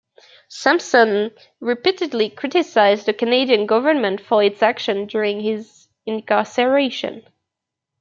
Sampson repeatedly criticised the Canadian government for its actions during his incarceration.